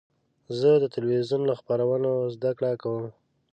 زه د تلویزیون له خپرونو زده کړه کوم.